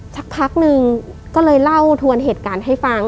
สักพักนึงก็เลยเล่าทวนเหตุการณ์ให้ฟัง